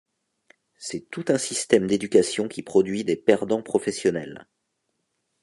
C’est tout un système d’éducation qui produit des perdants professionnels.